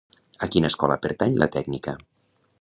A quina escola pertany la tècnica?